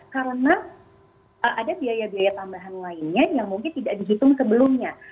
karena ada biaya biaya tambahan lainnya yang mungkin tidak dihitung sebelumnya